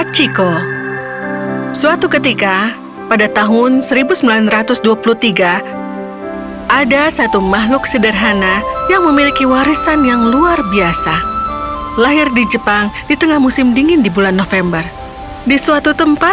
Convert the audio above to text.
cerita dalam bahasa indonesia